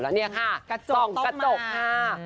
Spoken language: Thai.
แล้วเนี่ยค่ะส่องกระจกค่ะ